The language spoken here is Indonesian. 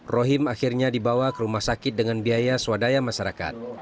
rohim akhirnya dibawa ke rumah sakit dengan biaya swadaya masyarakat